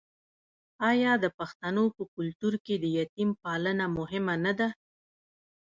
آیا د پښتنو په کلتور کې د یتیم پالنه مهمه نه ده؟